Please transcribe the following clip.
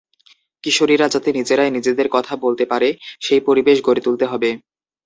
কিশোরীরা যাতে নিজেরাই নিজেদের কথা বলতে পারে, সেই পরিবেশ গড়ে তুলতে হবে।